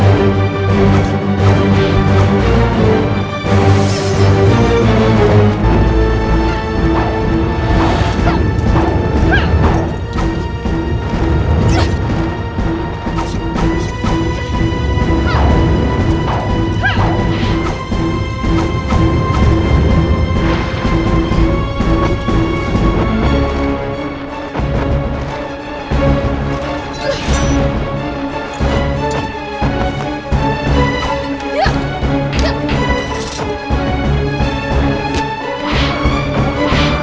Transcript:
aku akan menyesal karena tidak menjaga nisamu itu kak